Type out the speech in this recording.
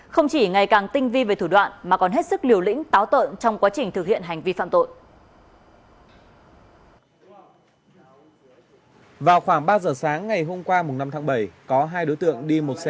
không chỉ ngày càng tinh vi về thủ đoạn mà còn hết sức liều lĩnh táo tợn trong quá trình thực hiện hành vi phạm tội